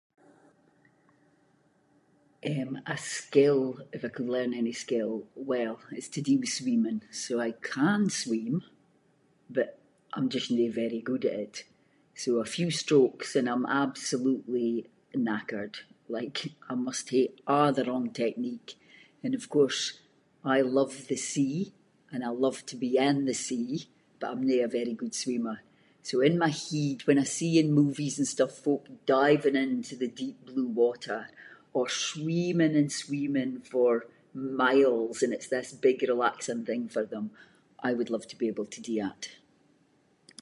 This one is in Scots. Eh a skill, if I could learn any skill, well it’s to do with swimming. So I can swim, but I’m just no very good at it. So a few strokes and I’m absolutely knackered, like I must hae a’ the wrong technique and of course I love the sea and I love to be in the sea, but I’m no a very good swimmer. So in my heid when I see in movies and stuff, folk diving into the deep blue water, or swimming and swimming for miles and it’s this big relaxing thing for them, I would love to be able to do that.